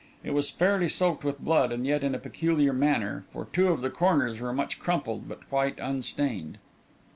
It was fairly soaked with blood, and yet in a peculiar manner, for two of the corners were much crumpled but quite unstained.